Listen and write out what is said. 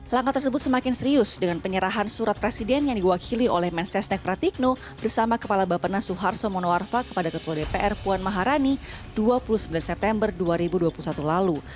langkah tersebut semakin serius dengan penyerahan surat presiden yang diwakili oleh mensesnek pratikno bersama kepala bapena suharto monoarfa kepada ketua dpr puan maharani dua puluh sembilan september dua ribu dua puluh satu lalu